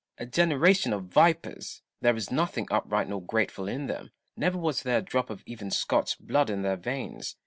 A generation of vipers ! there is nothing upright nor grateful in them : never was there a drop of even Scotch blood in their veins.